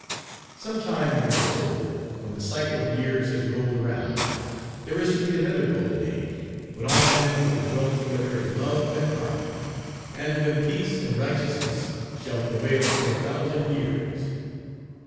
Some time, we are told, when the cycle of years has rolled around, there is to be another Page 323 golden age, when all men will dwell together in love and harmony, and when peace and righteousness shall prevail for a thousand years.